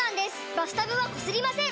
バスタブはこすりません！